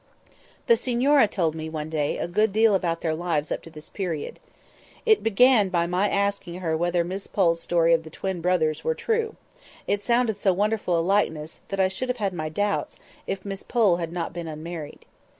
The signora told me, one day, a good deal about their lives up to this period. It began by my asking her whether Miss Pole's story of the twin brothers were true; it sounded so wonderful a likeness, that I should have had my doubts, if Miss Pole had not been unmarried.